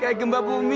kayak gempa bumi